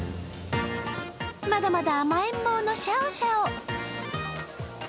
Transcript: まだまだ甘えん坊のシャオシャオ。